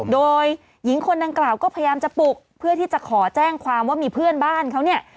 โดยหญิงคนดังกล่าวก็พยายามจะปลุกเพื่อที่จะขอแจ้งความว่ามีเพื่อนบ้านเขาเนี่ย